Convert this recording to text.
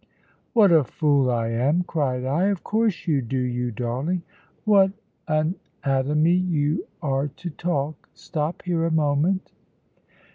"What a fool I am!" cried I. "Of course you do, you darling. What an atomy you are to talk! Stop here a moment."